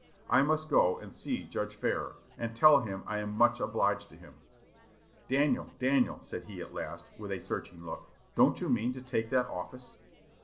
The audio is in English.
"I must go and see Judge Farrar, and tell him I am much obliged to him." "Daniel, Daniel," said he, at last, with a searching look, "don't you mean to take that office?"